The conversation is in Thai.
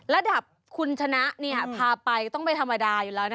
ระดาษคุณชนะต้องไปธรรมดาอยู่แล้วนะฮะ